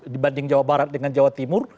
dibanding jawa barat dengan jawa timur